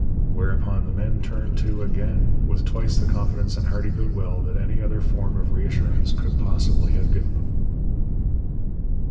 Whereupon the men turn to again with twice the confidence and hearty goodwill that any other form of reassurance could possibly have given them.